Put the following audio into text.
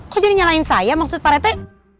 kok jadi nyalain saya maksud parete